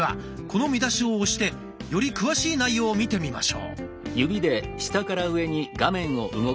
この見出しを押してより詳しい内容を見てみましょう。